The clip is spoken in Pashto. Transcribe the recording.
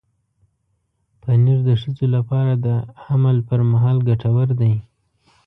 پنېر د ښځو لپاره د حمل پر مهال ګټور دی.